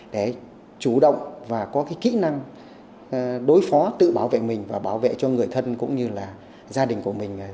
để chủ động và có kỹ năng đối phó tự bảo vệ mình và bảo vệ cho người thân cũng như là gia đình của mình